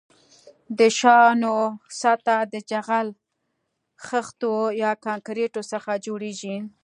د شانو سطح د جغل، خښتو یا کانکریټو څخه جوړیږي